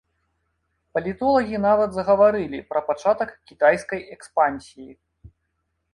Палітолагі нават загаварылі пра пачатак кітайскай экспансіі.